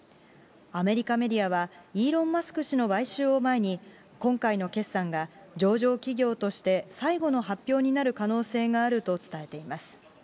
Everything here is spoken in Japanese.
アメリカメディアは、イーロン・マスク氏の買収を前に、今回の決算が上場企業として、最後の発表になる可能性があると伝えています。